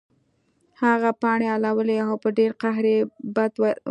هغه پاڼې اړولې او په ډیر قهر یې بد ویل